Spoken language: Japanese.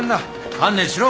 観念しろ。